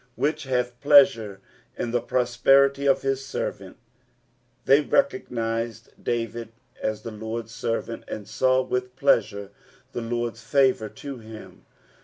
" Which hath plearure in the proiperity of hit tervant." They recognised David aa the Lord's Hervaut, and saw with pleasure the Iiord's favour to him.